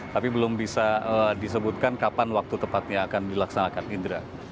tapi belum bisa disebutkan kapan waktu tepatnya akan dilaksanakan indra